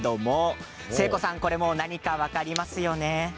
誠子さん、何か分かりますよね。